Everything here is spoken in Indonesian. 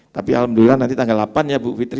tapi alhamdulillah nanti tanggal delapan ya bu fitri